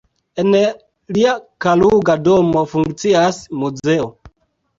En lia Kaluga domo funkcias muzeo.